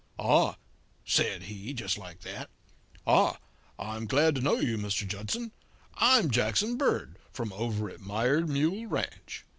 "'Ah,' says he, just like that 'Ah, I'm glad to know you, Mr. Judson. I'm Jackson Bird, from over at Mired Mule Ranch.'